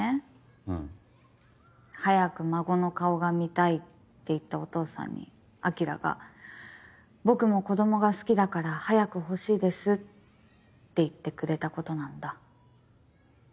うん。早く孫の顔が見たいって言ったお父さんに晶が僕も子供が好きだから早く欲しいですって言ってくれたことなんだ。